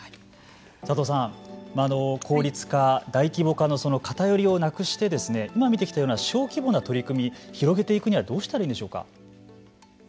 佐藤さん、効率化大規模化の偏りをなくして今、見てきたような小規模な取り組みを広げていくにはどうしたらいいんでしょうか。